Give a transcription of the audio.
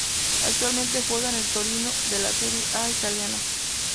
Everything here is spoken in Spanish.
Actualmente juega en el Torino de la Serie A italiana.